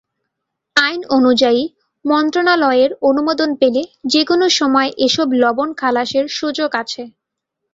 আইন অনুযায়ী, মন্ত্রণালয়ের অনুমোদন পেলে যেকোনো সময় এসব লবণ খালাসের সুযোগ আছে।